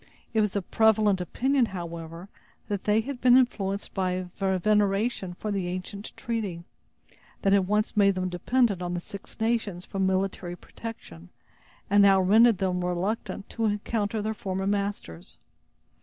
It was the prevalent opinion, however, that they had been influenced by veneration for the ancient treaty, that had once made them dependent on the Six Nations for military protection, and now rendered them reluctant to encounter their former masters.